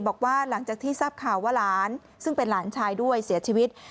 บอกว่าหลังจากที่ทราบข่าวว่าหลานซึ่งเป็นหลานชายด้วยเสียชีวิต